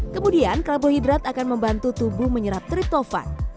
kemudian karbohidrat akan membantu tubuh menyerap triptofan